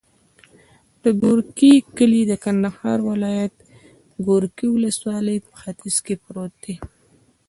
د ګورکي کلی د کندهار ولایت، ګورکي ولسوالي په ختیځ کې پروت دی.